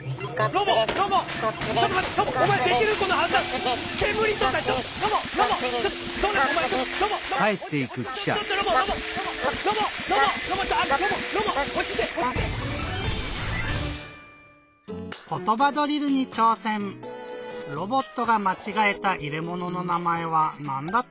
ロボットがまちがえたいれものの名まえはなんだったかな？